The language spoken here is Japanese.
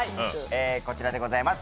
こちらでございます。